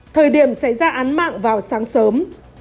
thời điểm xảy ra án mạng vào sáng sớm